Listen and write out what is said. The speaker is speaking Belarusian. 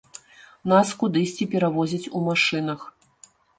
Нас кудысьці перавозяць у машынах.